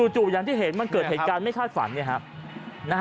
จู่อย่างที่เห็นมันเกิดเหตุการณ์ไม่คาดฝัน